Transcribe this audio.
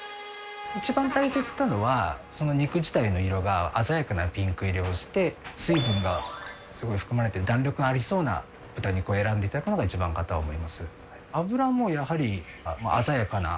一番大切なのは肉自体の色が鮮やかなピンク色をして水分がすごい含まれている弾力がありそうな豚肉を選んで頂くのが一番かとは思います。